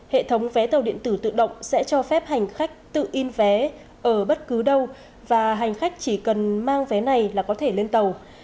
hệ thống vé tàu điện tử tự động sẽ cho phép hành khách tự in vé ở bất cứ đâu và hành khách chỉ cần mang vé này là có thể lên tàu